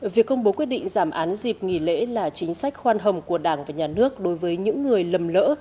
việc công bố quyết định giảm án dịp nghỉ lễ là chính sách khoan hồng của đảng và nhà nước đối với những người lầm lỡ